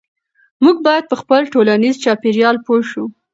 موږ باید په خپل ټولنیز چاپیریال پوه شو.